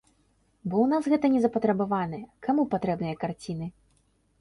Бо ў нас гэта не запатрабаванае, каму патрэбныя карціны?